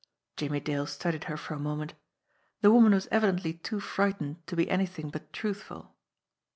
Jimmie Dale studied her for a moment. The woman was evidently too frightened to be anything but truthful.